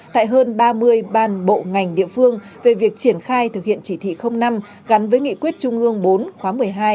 tại hơn ba mươi ban bộ ngành địa phương về việc triển khai thực hiện chỉ thị năm gắn với nghị quyết trung ương bốn khóa một mươi hai